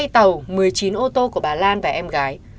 hai tàu một mươi chín ô tô của bà lan và em gái